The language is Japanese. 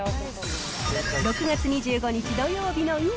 ６月２５日土曜日の今！